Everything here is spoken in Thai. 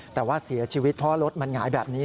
แต่ว่าเสียชีวิตเพราะรถมันหงายแบบนี้